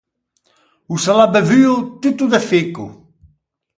O se l’à bevuo tutto de ficco.